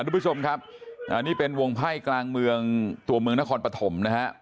ทุกผู้ชมครับอันนี้เป็นวงไพ่กลางเมืองตัวเมืองนครปฐมนะฮะ